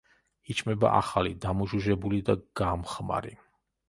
იჭმება ახალი, დამუჟუჟებული და გამხმარი.